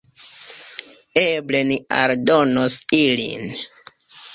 Eble ni aldonos ilin.